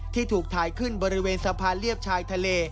ที่ถูกถ่ายขึ้นบริเวณสะพานเลียบชายทะเล